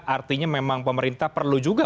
artinya memang pemerintah perlu juga